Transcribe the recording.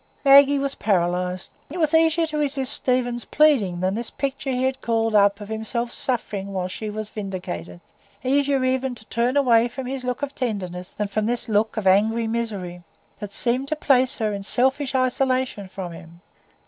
Maggie was paralyzed; it was easier to resist Stephen's pleading than this picture he had called up of himself suffering while she was vindicated; easier even to turn away from his look of tenderness than from this look of angry misery, that seemed to place her in selfish isolation from him.